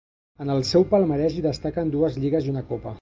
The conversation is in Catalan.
En el seu palmarès hi destaquen dues lligues i una copa.